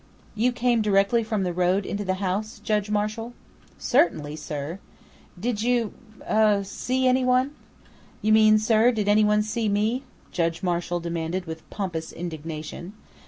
"You came directly from the road into the house, Judge Marshall?" "Certainly, sir!" "Did you er, see anyone?" "You mean, sir, did anyone see me?" Judge Marshall demanded with pompous indignation.